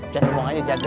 jangan ngomong aja jaga